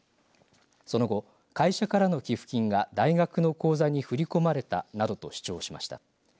その後、会社からの寄付金が大学の口座に振り込まれた。などと主張しました。